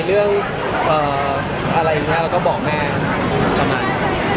เราก็บอกแม่